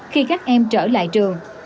khi các em trở lại trường